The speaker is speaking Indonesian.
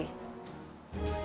harus kamu tinggikan kedudukannya